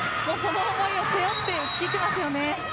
その思いを背負って打ち切っていますよね。